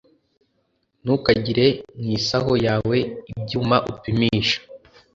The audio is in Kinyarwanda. ntukagire mu isaho yawe ibyuma upimisha